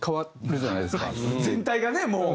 全体がねもう。